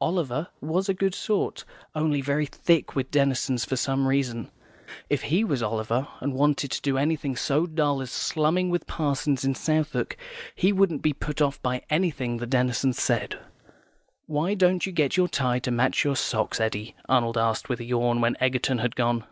Oliver was a good sort, only very thick with Denison for some reason. If he was Oliver, and wanted to do anything so dull as slumming with parsons in Southwark, he wouldn't be put off by anything the Denisons said. "Why don't you get your tie to match your socks, Eddy?" Arnold asked, with a yawn, when Egerton had gone.